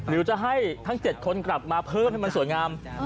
นายอยากให้ทั้งเจ็ดคนกลับมาเพิ่มดูสวยงาม